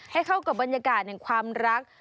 ให้เข้ากับบรรยากาศแห่งความรัก